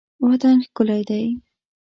وطن ښکلی دی.